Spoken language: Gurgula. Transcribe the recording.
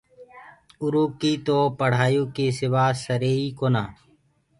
اُرو ڪي تو پڙهآيو ڪي سِوآ سري ئي ڪونآ۔